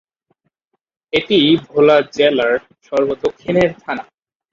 এটি ভোলা জেলার সর্ব-দক্ষিণের থানা।